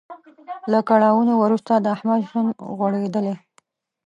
له کړاوونو وروسته د احمد ژوند غوړیدلی.